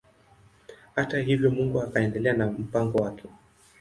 Hata hivyo Mungu akaendelea na mpango wake.